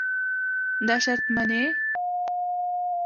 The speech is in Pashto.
دا شرط منې.